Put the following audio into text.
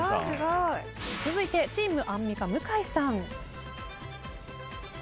続いてチームアンミカ向井さん。